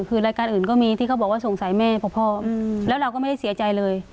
คือรายการอื่นก็มีที่เขาบอกว่าสงสัยแม่เพราะพ่อแล้วเราก็ไม่ได้เสียใจเลย